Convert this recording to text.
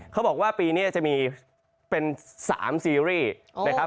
เขาบอกว่าปีนี้จะมีเป็น๓ซีรีส์